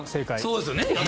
そうですよね。